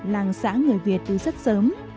làng xã người việt từ rất sớm